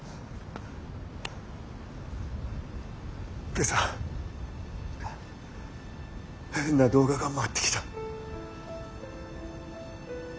今朝変な動画が回ってきた。